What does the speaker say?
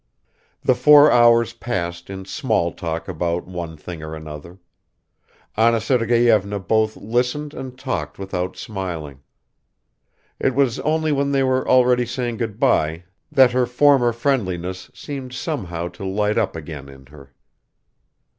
The four hours passed in small talk about one thing or another; Anna Sergeyevna both listened and talked without smiling. It was only when they were already saying good by that her former friendliness seemed somehow to light up again in her.